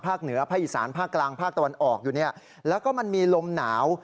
เหนือภาคอีสานภาคกลางภาคตะวันออกอยู่เนี่ยแล้วก็มันมีลมหนาว